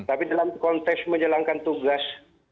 tapi dalam konteks menjalankan tugas